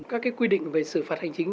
các quy định về sự phạt hành chính